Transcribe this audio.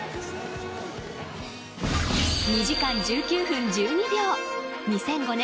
２時間１９分１２秒２００５年